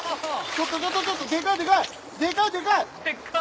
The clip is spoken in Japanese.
ちょっとちょっとちょっとでかいでかいでかいでかい！